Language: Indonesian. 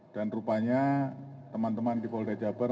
dan rupanya teman teman di polda jawa barat